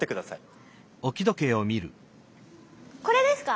「これ」ですか？